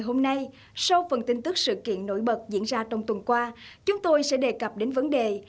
hôm nay sẽ đề cập đến vấn đề